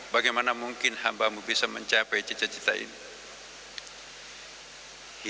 bagaimana mungkin hamba mu bisa mencapai cita cita ini